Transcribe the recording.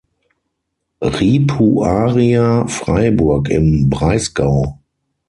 Ripuaria Freiburg im Breisgau.